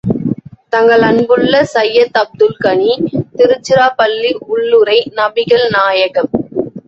தங்களன்புள்ள சையத் அப்துல் கனி திருச்சிராப்பள்ளி உள்ளுறை நபிகள் நாயகம்...